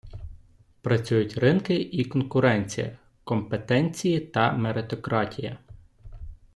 Працюють ринки і конкуренція, компетенції та меритократія.